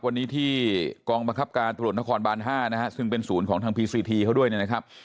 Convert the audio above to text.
วันนี้ที่กองบังคับการตรวจนครบาน๕นะฮะซึ่งเป็นศูนย์ของทางพีซีทีเขาด้วยนะครับ